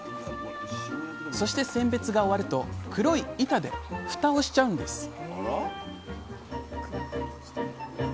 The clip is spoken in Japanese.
そして選別が終わると黒い板でフタをしちゃうんです